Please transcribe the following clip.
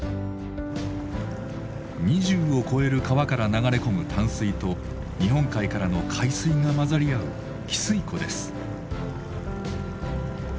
２０を超える川から流れ込む淡水と日本海からの海水が混ざり合う汽水湖です。